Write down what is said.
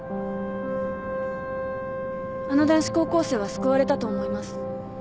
あの男子高校生は救われたと思います。